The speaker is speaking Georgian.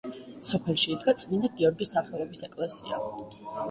სოფელში იდგა წმინდა გიორგის სახელობის ეკლესია.